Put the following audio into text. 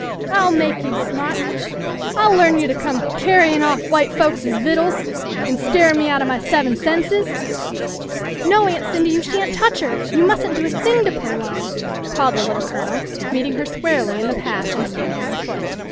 " I'll make you sma't ! I'll learn you to come carry in' off white folkses vittles an' scarin' me out of my seven senses !"" No, Aunt Cindy, you sha'n't touch her ! You mustn't do a thing to Pearline," called the Little Colonel, meeting her squarely in the path and stamp ing her foot.